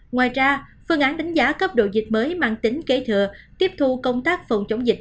ngoài ra phương án đánh giá cấp độ dịch mới mang tính kế thừa tiếp thu công tác phòng chống dịch